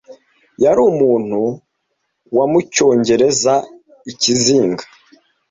yari umuntu wa mucyongereza Ikizinga